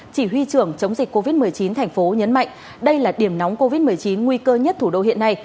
chỉ huy trưởng chống dịch covid một mươi chín thành phố nhấn mạnh đây là điểm nóng covid một mươi chín nguy cơ nhất thủ đô hiện nay